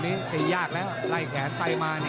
ติดตามยังน้อยกว่า